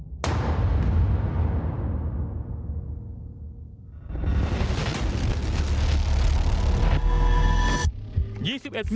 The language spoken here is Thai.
โปรดติดตามตอนต่อไป